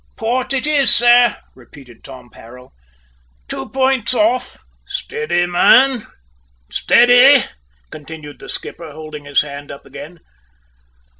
"Port it is, sir," repeated Tom Parrell. "Two points off." "Steady, man, steady," continued the skipper, holding his hand up again.